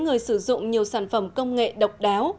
người sử dụng nhiều sản phẩm công nghệ độc đáo